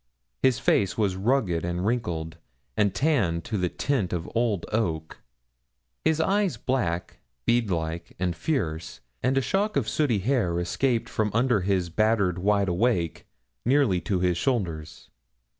His face was rugged and wrinkled, and tanned to the tint of old oak; his eyes black, beadlike, and fierce, and a shock of sooty hair escaped from under his battered wide awake nearly to his shoulders.